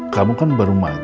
kamu kan baru magang